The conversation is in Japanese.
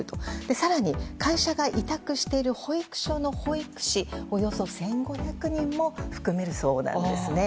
更に、会社が委託している保育所の保育士およそ１５００人も含めるそうなんですね。